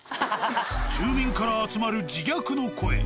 住民から集まる自虐の声。